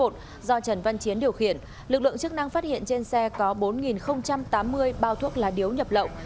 t năm nghìn ba trăm chín mươi một do trần văn chiến điều khiển lực lượng chức năng phát hiện trên xe có bốn tám mươi bao thuốc la điếu nhập lậu